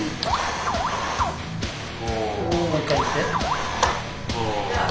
もう一回いって。